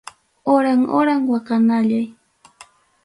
Horan horan waqanallay.